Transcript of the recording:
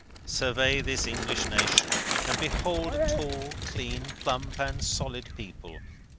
Survey this English nation, and behold a tall, clean, plump, and solid people!